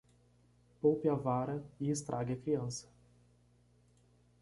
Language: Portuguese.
Poupe a vara e estrague a criança.